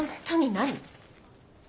何？